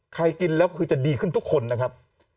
กินแล้วก็คือจะดีขึ้นทุกคนนะครับ